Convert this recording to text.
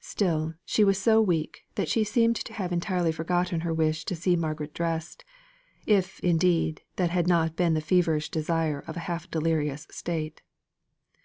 Still she was so weak that she seemed to have entirely forgotten her wish to see Margaret dressed if, indeed, that had not been the feverish desire of a half delirious state.